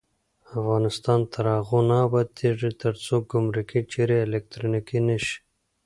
افغانستان تر هغو نه ابادیږي، ترڅو ګمرکي چارې الکترونیکي نشي.